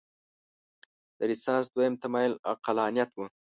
د رنسانس دویم تمایل عقلانیت و.